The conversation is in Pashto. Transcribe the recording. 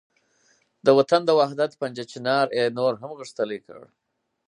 د وطن د وحدت پنجه چنار یې نور هم غښتلې کړ.